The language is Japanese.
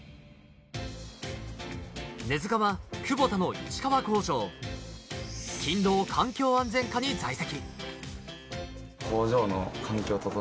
根塚はクボタの市川工場、勤労・環境安全課に在籍。